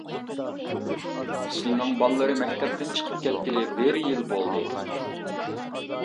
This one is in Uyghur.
سېلىنىڭ بالىلىرى مەكتەپتىن چىقىپ كەتكىلى بىر يىل بولدى.